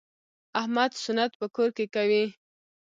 احمد سنت په کور کې کوي.